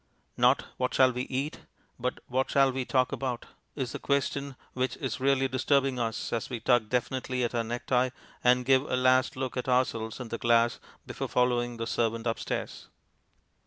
Not "What shall we eat?" but "What shall be talk about?" is the question which is really disturbing us as we tug definitely at our necktie and give a last look at ourselves in the glass before following the servant upstairs.